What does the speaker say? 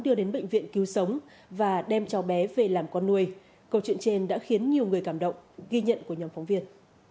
đưa đến bệnh viện cứu sống và đem cháu bé về làm con nuôi câu chuyện trên đã khiến nhiều người cảm động ghi nhận của nhóm phóng viên